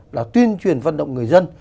là tuyên truyền vận động người dân